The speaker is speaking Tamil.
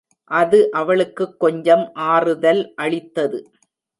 அது அவளுக்குக் கொஞ்சம் ஆறுதல் அளித்தது.